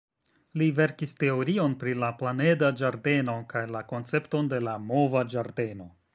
Li verkis teorion pri la «planeda ĝardeno» kaj la koncepton de la mova ĝardeno.